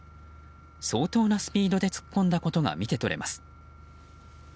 相当なスピードで突っ込んだことが見て取れます。